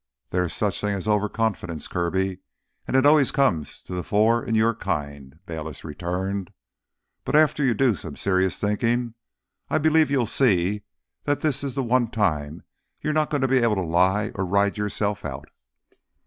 "There is such a thing as over confidence, Kirby, and it always comes to the fore in your kind!" Bayliss returned. "But after you do some serious thinking I believe you'll begin to see that this is one time you're not going to be able to lie or ride yourself out!"